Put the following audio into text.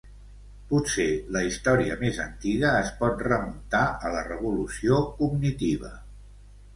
Potser la història més antiga es pot remuntar a la revolució cognitiva.